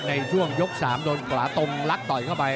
ในช่วงยก๓โดนขวาตรงลักต่อยเข้าไป